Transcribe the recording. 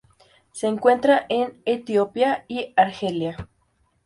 Se encuentra en Etiopía y Argelia.